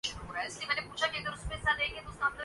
انسان یہ خیال کرتا ہے کہ بس ووٹ دینے کی دیر ہے۔